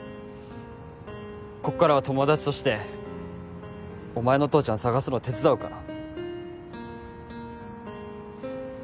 こっからは友達としてお前の父ちゃん捜すの手伝うから。